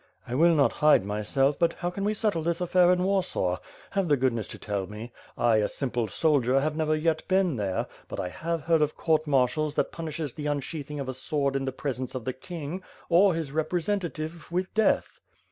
"I will not hide myself, but how can we settle this affair in Warsaw? Have the goodness to tell me. I a simple sol dier have never yet been there, but I have heard of court martials that punishes the unsheathing of a sword in the presence of the king, or his representative with death."